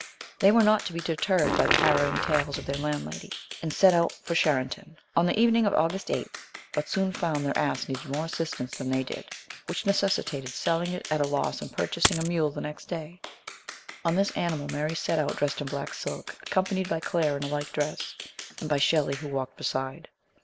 They were not to be deterred by the harrowing tales of their landlady, and set out for Chare uton on the evening of August 8, but soon found their ass needed more assistance than they did, which necessitated selling it at a loss and purchasing a mule the next day. On this animal Mary set out dressed in black silk, accompanied by Claire in a like dress, ,and by Shelley who walked beside.